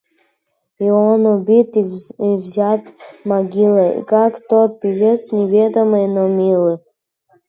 И он убит — и взят могилой, Как тот певец, неведомый, но милый